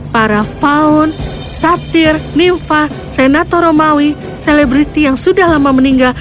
para faun satir nimfa senatoromawi selebriti yang sudah lama meninggal